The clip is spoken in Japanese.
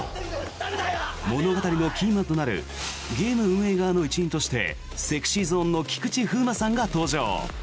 物語のキーマンとなるゲーム運営側の一員としてＳｅｘｙＺｏｎｅの菊池風磨さんが登場！